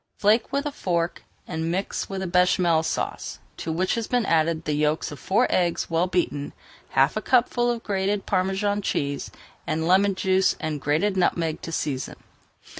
Flake with a fork, and mix with Bechamel Sauce to which has been added the yolks of four eggs well beaten, half a cupful of grated Parmesan cheese, and lemon juice and grated nutmeg to season.